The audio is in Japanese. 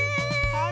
はい。